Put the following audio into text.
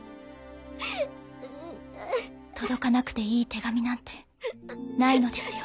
届かなくていい手紙なんてないのですよ